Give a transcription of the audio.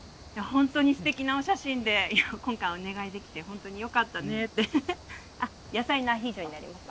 ホントにステキなお写真で今回お願いできてホントによかったねってあっ野菜のアヒージョになります